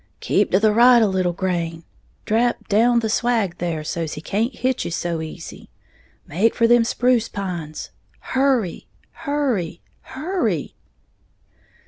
"Keep to the right a little grain!" "Drap down in the swag there, so's he can't hit you so easy!" "Make for them spruce pines! Hurry! Hurry! Hurry!"